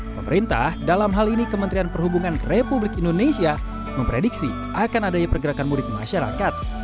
pemerintah dalam hal ini kementerian perhubungan republik indonesia memprediksi akan adanya pergerakan mudik masyarakat